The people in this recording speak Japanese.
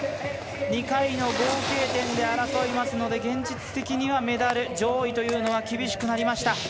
２回の合計点で争いますので現実的にはメダル、上位は厳しくなりました。